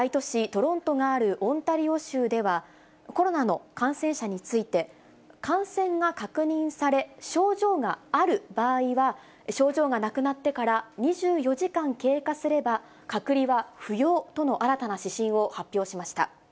トロントがあるオンタリオ州では、コロナの感染者について、感染が確認され、症状がある場合は、症状がなくなってから２４時間経過すれば、隔離は不要との新たな指針を発表しました。